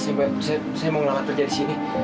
saya mau ngelamar kerja di sini